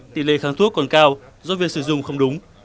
tỷ lệ kháng thuốc còn cao do việc sử dụng không đúng